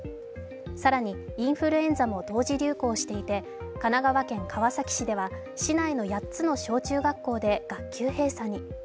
更に、インフルエンザも同時流行していて神奈川県川崎市では市内の８つの小中学校で学級閉鎖に。